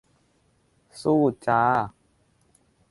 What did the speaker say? สู้จ้า